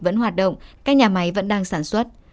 vẫn hoạt động các nhà máy vẫn đang sản xuất